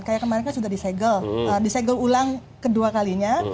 kayak kemarin kan sudah disegel disegel ulang kedua kalinya